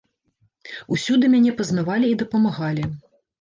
Усюды мяне пазнавалі і дапамагалі.